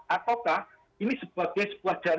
apakah ini sebagai sebuah jadwal